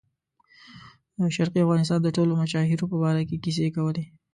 د شرقي افغانستان د ټولو مشاهیرو په باره کې کیسې کولې.